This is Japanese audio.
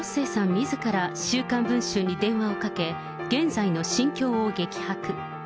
みずから週刊文春に電話をかけ、現在の心境を激白。